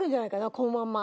このまんま。